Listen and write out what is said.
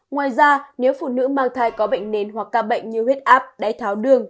ngoài ra nếu phụ nữ mang thai có bệnh nền hoặc ca bệnh như huyết áp đáy tháo đường